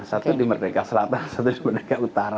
satu di merdeka selatan satu di merdeka utara